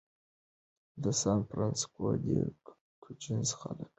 د سان فرانسیسکو دې کونچوز خلک راټول شوي دي.